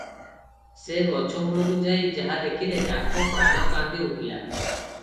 ସେ ଗଛମୂଳକୁ ଯାଇ ଯାହା ଦେଖିଲେ ତାଙ୍କ ପ୍ରାଣ କାନ୍ଦି ଉଠିଲା ।